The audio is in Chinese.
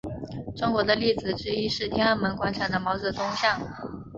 中国的例子之一是天安门广场的毛泽东像。